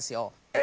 え？